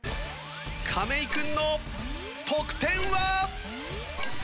亀井君の得点は！？